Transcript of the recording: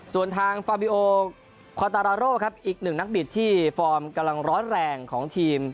ส่วนทางฟาบิโอคอตาราโร่ครับอีกหนึ่งนักบิดที่ฟอร์มกำลังร้อนแรงของทีม